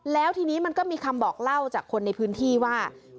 แล้วทีนี้มันก็มีคำบอกเล่าจากคนในพื้นที่ว่า